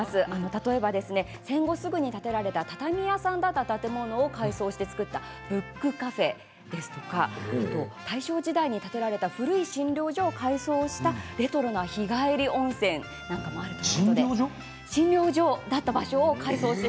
例えば戦後すぐに建てられた畳屋さんだった建物を改装したブックカフェですとか大正時代に建てられた古い診療所を改装したレトロな日帰り温泉なんかもあるということです。